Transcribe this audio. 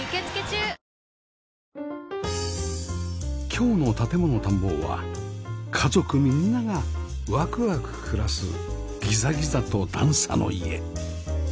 今日の『建もの探訪』は家族みんながワクワク暮らすギザギザと段差の家